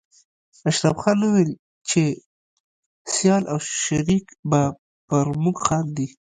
اشرف خان ويل چې سيال او شريک به پر موږ خاندي